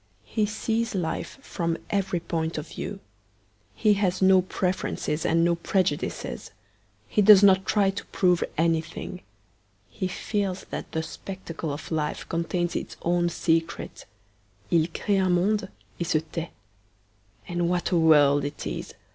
He sees life from every point of view. He has no preferences and no prejudices. He does not try to prove anything. He feels that the spectacle of life contains its own secret. 'II cree un monde et se tait.' And what a world it is!